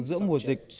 giữa mùa dịch